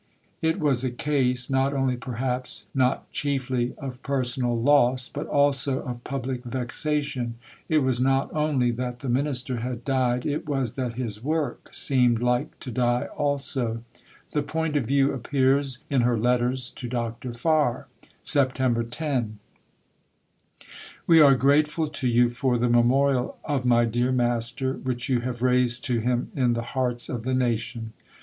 It was a case not only, perhaps not chiefly, of personal loss, but also of public vexation; it was not only that the Minister had died, it was that his work seemed like to die also. The point of view appears in her letters to Dr. Farr: Sept. 10. We are grateful to you for the memorial of my dear Master which you have raised to him in the hearts of the nation.